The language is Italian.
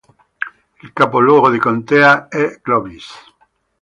Il capoluogo di contea è Clovis.